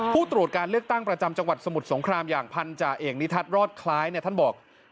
ผู้ตรวจการเลือกตั้งประจำจังหวัดสมุทรสงครามอย่างพันธาเอกนิทัศน์รอดคล้ายเนี่ยท่านบอก